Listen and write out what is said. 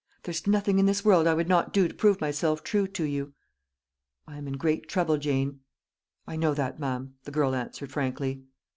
"There's nothing in this world I would not do to prove myself true to you." "I am in great trouble, Jane." "I know that, ma'am," the girl answered frankly.